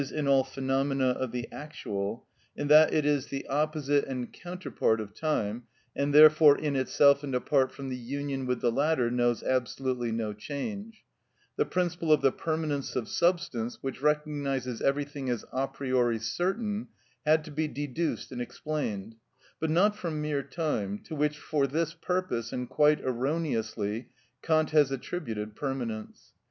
_, in all phenomena of the actual—in that it is the opposite and counterpart of time, and therefore in itself and apart from the union with the latter knows absolutely no change—the principle of the permanence of substance, which recognises everything as a priori certain, had to be deduced and explained; but not from mere time, to which for this purpose and quite erroneously Kant has attributed permanence.